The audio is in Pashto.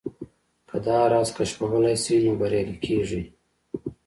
که دا راز کشفولای شئ نو بريالي کېږئ.